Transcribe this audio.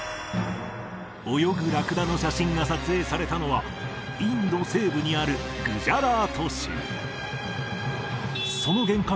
泳ぐラクダの写真が撮影されたのはインド西部にあるグジャラート州その玄関